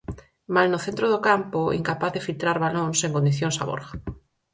Mal no centro do campo, incapaz de filtrar balóns en condicións a Borja.